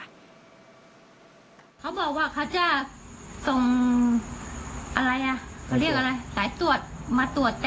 นี่คลิปครั้งเขาก็ไม่เคยดู